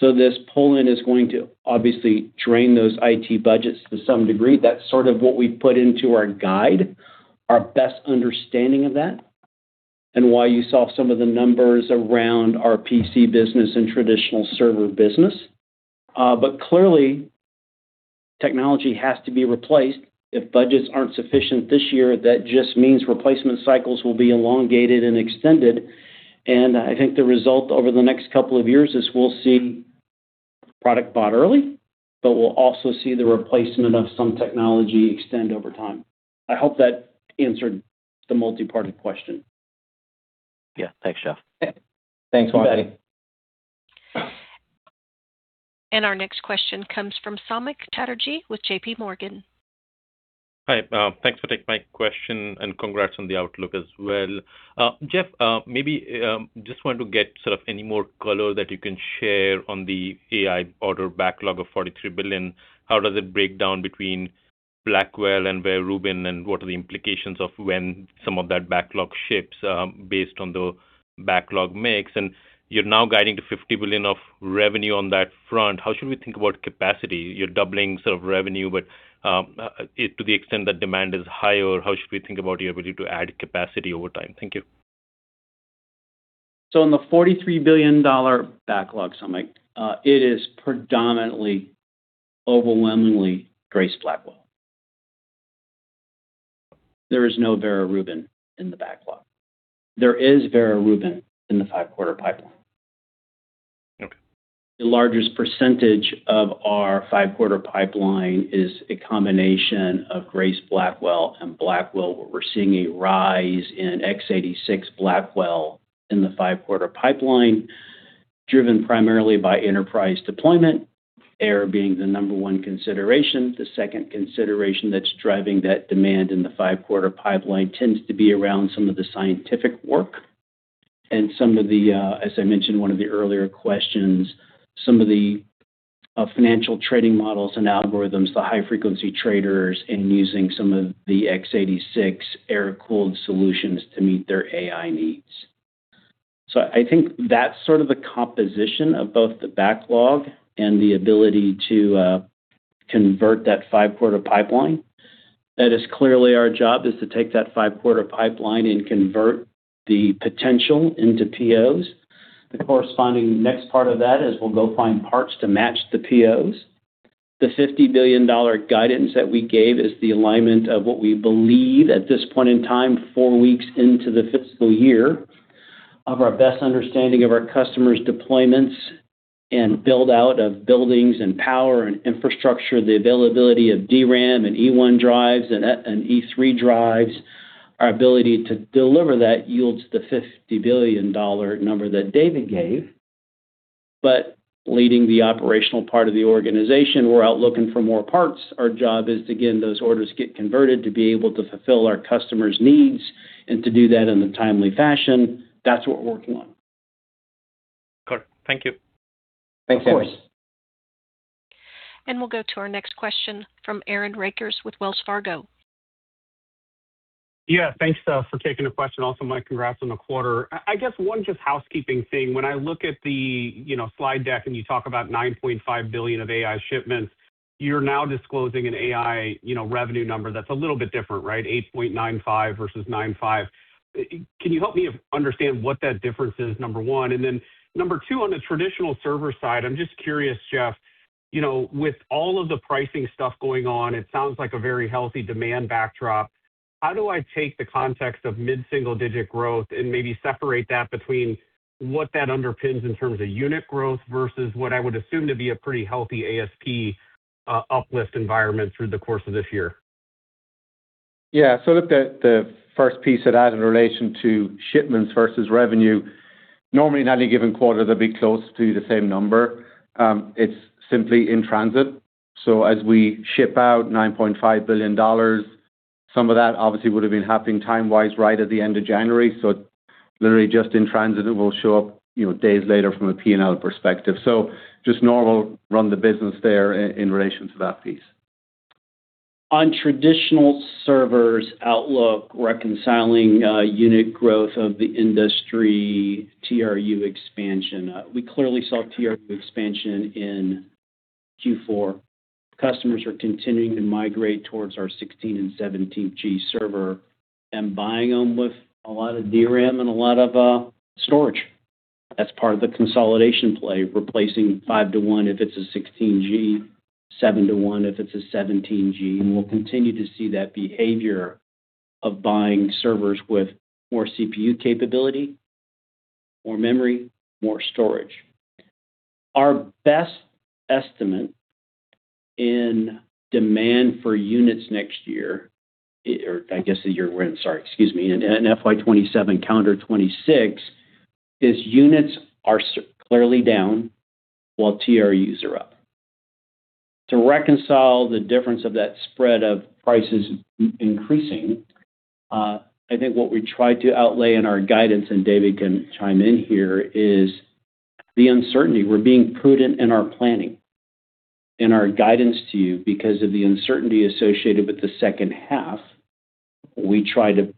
so this pull-in is going to obviously drain those IT budgets to some degree. That's sort of what we've put into our guide, our best understanding of that, and why you saw some of the numbers around our PC business and traditional server business. Clearly, technology has to be replaced. If budgets aren't sufficient this year, that just means replacement cycles will be elongated and extended. I think the result over the next couple of years is we'll see product bought early, but we'll also see the replacement of some technology extend over time. I hope that answered the multi-parted question.
Yeah. Thanks, Jeff.
Thanks, Marty.
Our next question comes from Samik Chatterjee with J.P. Morgan.
Hi, thanks for taking my question, congrats on the outlook as well. Jeff, maybe, just want to get sort of any more color that you can share on the AI order backlog of $43 billion. How does it break down between Blackwell and Vera Rubin, what are the implications of when some of that backlog ships, based on the backlog mix? You're now guiding to $50 billion of revenue on that front. How should we think about capacity? You're doubling sort of revenue, to the extent that demand is higher, how should we think about your ability to add capacity over time? Thank you.
On the $43 billion backlog, Samik, it is predominantly, overwhelmingly Grace Blackwell. There is no Vera Rubin in the backlog. There is Vera Rubin in the five-quarter pipeline.
Okay.
The largest percentage of our five-quarter pipeline is a combination of Grace Blackwell and Blackwell, where we're seeing a rise in x86 Blackwell in the five-quarter pipeline, driven primarily by enterprise deployment, AI being the number 1 consideration. The second consideration that's driving that demand in the five-quarter pipeline tends to be around some of the scientific work and some of the, as I mentioned in one of the earlier questions, some of the financial trading models and algorithms, the high-frequency traders, and using some of the x86 air-cooled solutions to meet their AI needs. I think that's sort of the composition of both the backlog and the ability to convert that five-quarter pipeline. That is clearly our job, is to take that five-quarter pipeline and convert the potential into POs. The corresponding next part of that is we'll go find parts to match the POs. The $50 billion guidance that we gave is the alignment of what we believe at this point in time, four weeks into the fiscal year, of our best understanding of our customers' deployments and build-out of buildings and power and infrastructure, the availability of DRAM and E1.S drives and E3.S drives. Our ability to deliver that yields the $50 billion number that David gave. Leading the operational part of the organization, we're out looking for more parts. Our job is to get those orders get converted to be able to fulfill our customers' needs and to do that in a timely fashion. That's what we're working on.
Correct. Thank you.
Thanks, Samik.
Of course.
We'll go to our next question from Aaron Rakers with Wells Fargo.
Yeah, thanks for taking the question. Also, my congrats on the quarter. I guess one just housekeeping thing. When I look at the, you know, slide deck and you talk about $9.5 billion of AI shipments, you're now disclosing an AI, you know, revenue number that's a little bit different, right? $8.95 billion versus nine five. Can you help me understand what that difference is, number 1? Number 2, on the traditional server side, I'm just curious, Jeff with all of the pricing stuff going on, it sounds like a very healthy demand backdrop. How do I take the context of mid-single-digit growth and maybe separate that between what that underpins in terms of unit growth versus what I would assume to be a pretty healthy ASP uplift environment through the course of this year?
Yeah. Look, the first piece of that in relation to shipments versus revenue, normally in any given quarter, they'll be close to the same number. It's simply in transit. As we ship out $9.5 billion, some of that obviously would have been happening time-wise, right at the end of January. Literally just in transit, it will show up, you know, days later from a P&L perspective. Just normal run the business there in relation to that piece.
On traditional servers outlook, reconciling unit growth of the industry, TRU expansion, we clearly saw TRU expansion in Q4. Customers are continuing to migrate towards our 16G and 17G server and buying them with a lot of DRAM and a lot of storage. That's part of the consolidation play, replacing 5-1 if it's a 16G, 7-1 if it's a 17G. We'll continue to see that behavior of buying servers with more CPU capability, more memory, more storage. Our best estimate in demand for units next year, or I guess the year we're in, sorry, excuse me, in FY 2027, calendar 2026, is units are clearly down, while TRUs are up. To reconcile the difference of that spread of prices increasing, I think what we tried to outlay in our guidance, and David can chime in here, is the uncertainty. We're being prudent in our planning, in our guidance to you, because of the uncertainty associated with the second half, we try to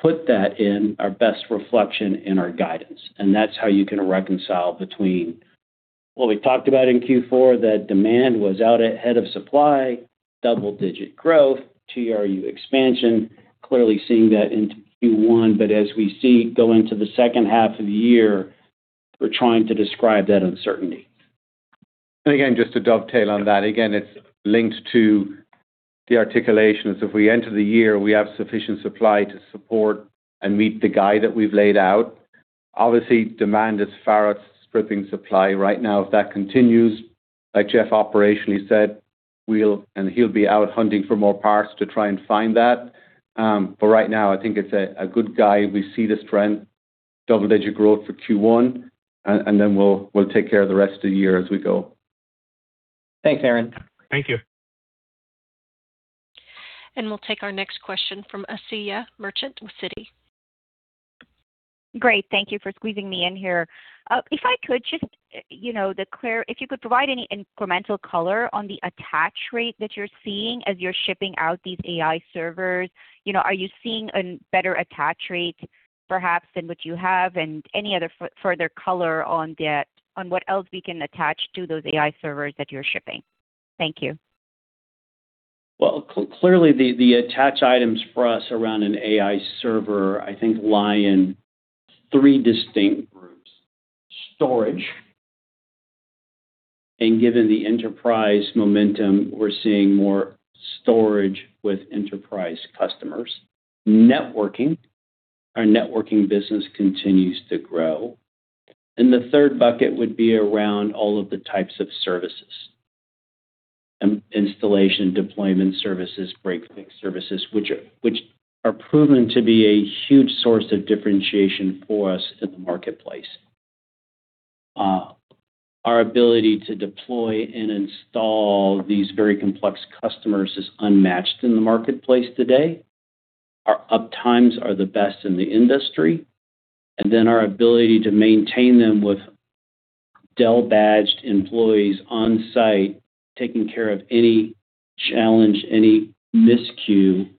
put that in our best reflection in our guidance, and that's how you can reconcile between what we talked about in Q4, that demand was out ahead of supply, double-digit growth, TRU expansion, clearly seeing that into Q1. As we see go into the second half of the year, we're trying to describe that uncertainty.
Again, just to dovetail on that, again, it's linked to the articulation. If we enter the year, we have sufficient supply to support and meet the guide that we've laid out. Obviously, demand is far outstripping supply right now. If that continues, like Jeff operationally said, we'll and he'll be out hunting for more parts to try and find that. Right now, I think it's a good guide. We see this trend, double-digit growth for Q1, and then we'll take care of the rest of the year as we go.
Thanks, Aaron.
Thank you.
We'll take our next question from Asiya Merchant with Citi.
Great, thank you for squeezing me in here. If I could just, you know, if you could provide any incremental color on the attach rate that you're seeing as you're shipping out these AI servers. You know, are you seeing a better attach rate, perhaps, than what you have? Any other further color on the, on what else we can attach to those AI servers that you're shipping? Thank you.
Clearly, the attach items for us around an AI server, I think, lie in three distinct groups. Storage, given the enterprise momentum, we're seeing more storage with enterprise customers. Networking, our networking business continues to grow. The third bucket would be around all of the types of services, installation, deployment services, break-fix services, which are proven to be a huge source of differentiation for us in the marketplace. Our ability to deploy and install these very complex customers is unmatched in the marketplace today. Our uptimes are the best in the industry, and then our ability to maintain them with Dell-badged employees on-site, taking care of any challenge, any miscue,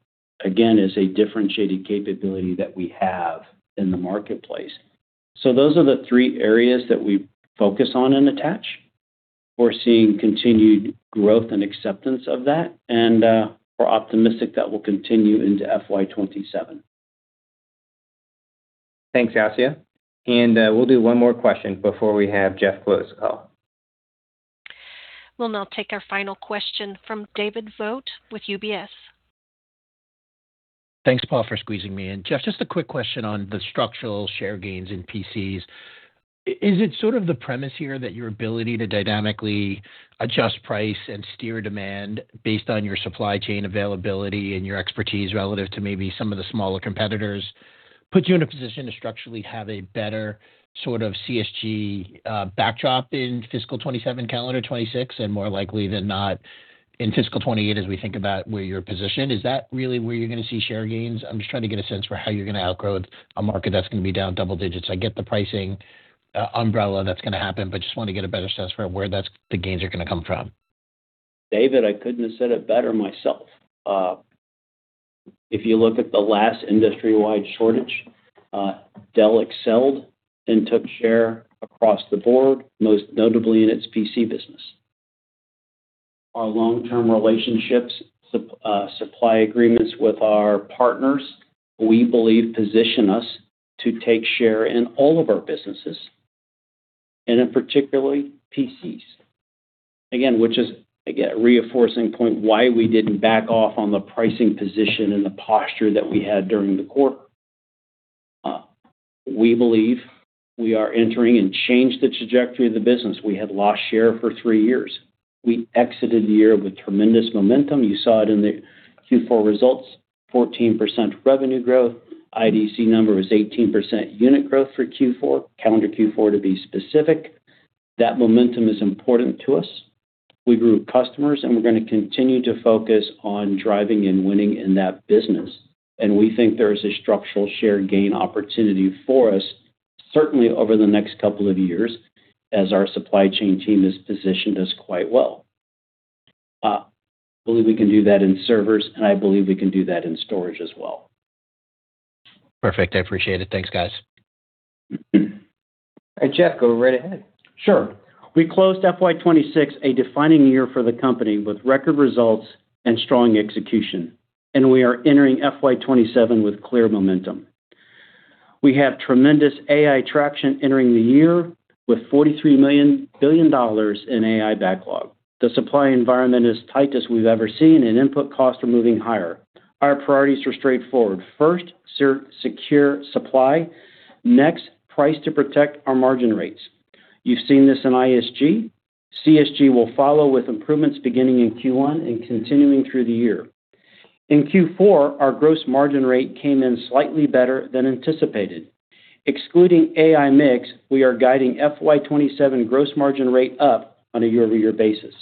again, is a differentiated capability that we have in the marketplace. Those are the three areas that we focus on in attach. We're seeing continued growth and acceptance of that, and, we're optimistic that will continue into FY 2027.
Thanks, Asiya. We'll do one more question before we have Jeff close the call.
We'll now take our final question from David Vogt with UBS.
Thanks, Paul, for squeezing me in. Jeff, just a quick question on the structural share gains in PCs. Is it sort of the premise here that your ability to dynamically adjust price and steer demand based on your supply chain availability and your expertise relative to maybe some of the smaller competitors, puts you in a position to structurally have a better sort of CSG backdrop in fiscal 27, calendar 26, and more likely than not, in fiscal 28, as we think about where you're positioned? Is that really where you're gonna see share gains? I'm just trying to get a sense for how you're gonna outgrow a market that's gonna be down double digits. I get the pricing umbrella that's gonna happen, but just want to get a better sense for where the gains are gonna come from.
David, I couldn't have said it better myself. If you look at the last industry-wide shortage, Dell excelled and took share across the board, most notably in its PC business. Our long-term relationships, supply agreements with our partners, we believe, position us to take share in all of our businesses, and in particularly, PCs. Again, which is, again, a reinforcing point why we didn't back off on the pricing position and the posture that we had during the quarter. We believe we are entering and changed the trajectory of the business. We had lost share for three years. We exited the year with tremendous momentum. You saw it in the Q4 results, 14% revenue growth. IDC number was 18% unit growth for Q4, calendar Q4, to be specific. That momentum is important to us. We grew customers, and we're gonna continue to focus on driving and winning in that business. We think there is a structural share gain opportunity for us, certainly over the next couple of years, as our supply chain team has positioned us quite well. I believe we can do that in servers, and I believe we can do that in storage as well.
Perfect. I appreciate it. Thanks, guys.
All right, Jeff, go right ahead.
Sure. We closed FY26, a defining year for the company, with record results and strong execution, and we are entering FY27 with clear momentum. We have tremendous AI traction entering the year with $43 billion in AI backlog. The supply environment is tight as we've ever seen, and input costs are moving higher. Our priorities are straightforward: first, secure supply. Next, price to protect our margin rates. You've seen this in ISG. CSG will follow with improvements beginning in Q1 and continuing through the year. In Q4, our gross margin rate came in slightly better than anticipated. Excluding AI mix, we are guiding FY27 gross margin rate up on a year-over-year basis.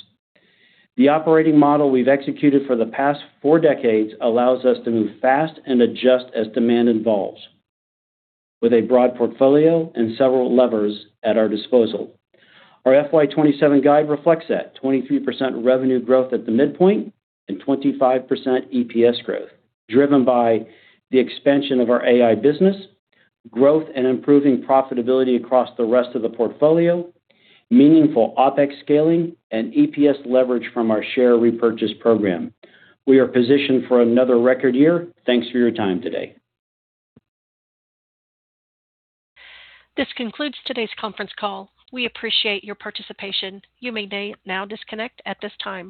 The operating model we've executed for the past four decades allows us to move fast and adjust as demand evolves, with a broad portfolio and several levers at our disposal. Our FY 2027 guide reflects that. 23% revenue growth at the midpoint and 25% EPS growth, driven by the expansion of our AI business, growth and improving profitability across the rest of the portfolio, meaningful OpEx scaling, and EPS leverage from our share repurchase program. We are positioned for another record year. Thanks for your time today.
This concludes today's conference call. We appreciate your participation. You may now disconnect at this time.